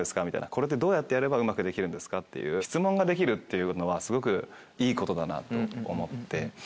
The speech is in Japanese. これってどうやってやればうまくできるんですかっていう質問ができるっていうのはすごくいいことだなと思って。